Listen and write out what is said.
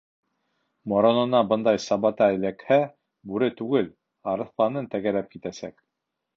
Моронона бындай сабата эләкһә, бүре түгел, арыҫланын тәгәрәп китәсәк!